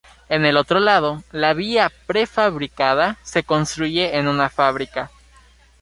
En el otro lado, la vía prefabricada se construye en una fábrica.